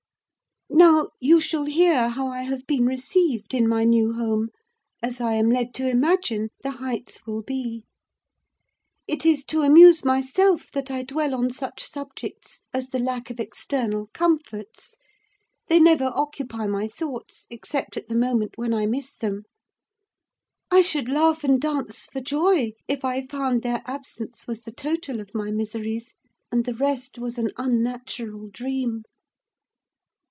Now, you shall hear how I have been received in my new home, as I am led to imagine the Heights will be. It is to amuse myself that I dwell on such subjects as the lack of external comforts: they never occupy my thoughts, except at the moment when I miss them. I should laugh and dance for joy, if I found their absence was the total of my miseries, and the rest was an unnatural dream!